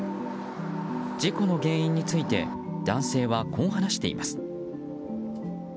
事故の原因について男性はこう話しています。